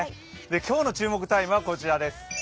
今日の注目タイムはこちらです。